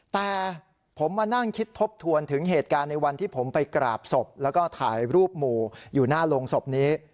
แต่ผมมานั่งคิดทบทวนถึงเหตุการณ์ในวันที่ผมไปกราบศพแล้วก็ถ่ายรูปหมู่อยู่หน้าโรงศพนี้